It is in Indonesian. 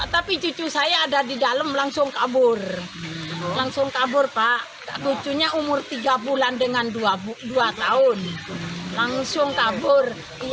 tapi cucu saya ada di dalam langsung kabur langsung kabur pak cucunya umur tiga bulan dengan dua tahun langsung kabur